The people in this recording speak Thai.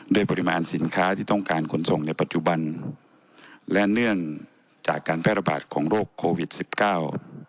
ด้วยปริมาณสินค้าที่ต้องการขนส่งในปัจจุบันและเนื่องจากการแพร่ระบาดของโรคโควิดสิบเก้า